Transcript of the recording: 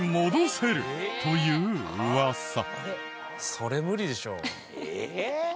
それ無理でしょ。え！？